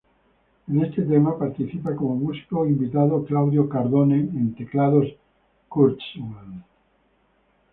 En este tema participa como músico invitado Claudio Cardone, en teclados Kurzweil.